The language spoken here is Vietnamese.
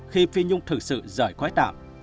khi phi nhung thực sự rời khói tạm